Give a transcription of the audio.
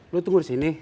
lu tunggu di sini